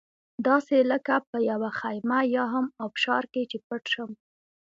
داسې لکه په یوه خېمه یا هم ابشار کې چې پټ شم.